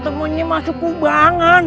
temunya masuk hubangan